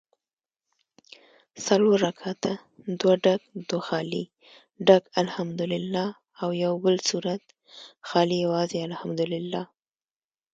څلور رکعته دوه ډک دوه خالي ډک الحمدوالله او یوبل سورت خالي یوازي الحمدوالله